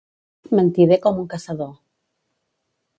Mentider com un caçador.